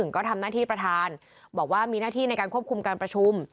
ก็ทำหน้าที่ประธานบอกว่ามีหน้าที่ในการควบคุมการประชุม